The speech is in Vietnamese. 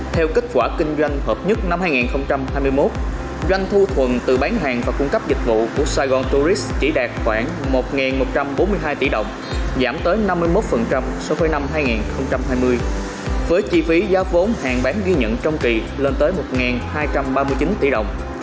theo kết quả kinh doanh hợp nhất năm hai nghìn hai mươi một doanh thu thuần từ bán hàng và cung cấp dịch vụ của sài gòn tourist chỉ đạt khoảng một một trăm bốn mươi hai tỷ đồng giảm tới năm mươi một so với năm hai nghìn hai mươi với chi phí giá vốn hàng bán ghi nhận trong kỳ lên tới một hai trăm ba mươi chín tỷ đồng